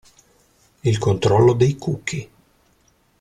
Il controllo dei cookie.